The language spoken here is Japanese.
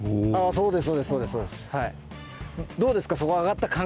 そうですね。